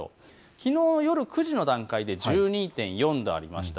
きのう夜９時で１２．４度ありました。